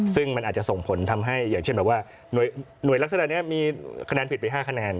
ซึ่งมันอาจจะส่งผลทำให้อย่างเช่นแบบว่าหน่วยลักษณะนี้มีคะแนนผิดไป๕คะแนน